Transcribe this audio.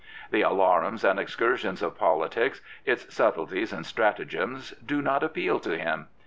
The alarums and excursions of politics, its subtleties and stratagems, do not appeal to him.